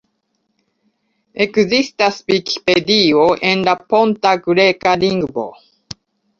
Ekzistas Vikipedio en la ponta greka lingvo.